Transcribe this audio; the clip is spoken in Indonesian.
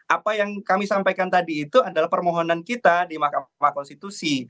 apa yang kami sampaikan tadi itu adalah permohonan kita di mahkamah konstitusi